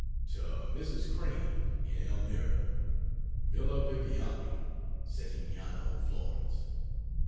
To Mrs. Crane, in Elmira: VILLA VIVIANI, SETTIGNANO, FLORENCE.